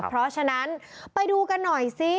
เพราะฉะนั้นไปดูกันหน่อยสิ